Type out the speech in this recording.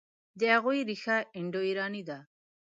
د هغوی ریښه انډوایراني ده.